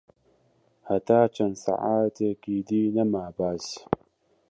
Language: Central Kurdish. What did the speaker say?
هەتا چەن ساعەتێکی دی نەما باس